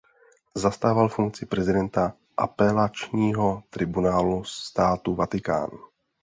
Zastával funkci prezidenta Apelačního tribunálu státu Vatikán.